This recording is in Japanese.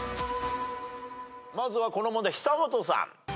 まずはこの問題久本さん。